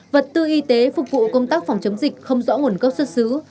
vật tư y tế phục vụ công tác phòng chống dịch không rõ nguồn gốc xuất xứ